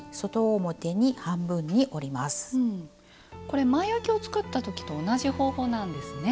これ前あきを作った時と同じ方法なんですね。